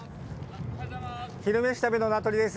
「昼めし旅」の名取です。